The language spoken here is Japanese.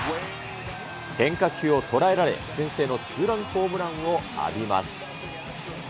変化球を捉えられ、先制のツーランホームランを浴びます。